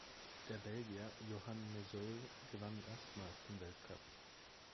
Der Belgier Johan Museeuw gewann erstmals den Weltcup.